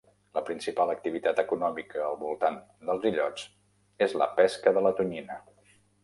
La principal activitat econòmica al voltant dels illots és la pesca de la tonyina.